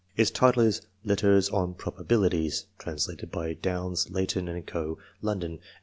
Its title is " Letters on Probabilities," translated by Downes. Layton and Co. London: 1849.